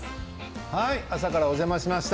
朝からお邪魔しました。